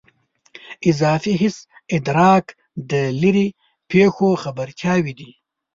اضافي حسي ادراک د لیرې پېښو خبرتیاوې دي.